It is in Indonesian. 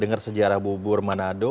dengar sejarah bubur manado